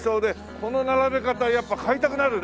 この並べ方やっぱ買いたくなるね。